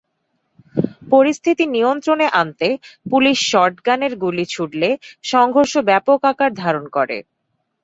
পরিস্থিতি নিয়ন্ত্রণে আনতে পুলিশ শর্টগানের গুলি ছুড়লে সংঘর্ষ ব্যাপক আকার ধারণ করে।